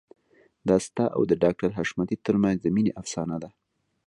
دا ستا او د ډاکټر حشمتي ترمنځ د مينې افسانه ده